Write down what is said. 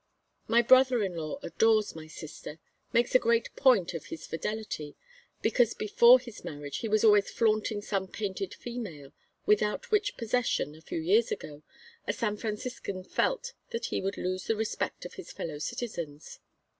My brother in law adores my sister, makes a great point of his fidelity, because before his marriage he was always flaunting some painted female, without which possession, a few years ago, a San Franciscan felt that he would lose the respect of his fellow citizens.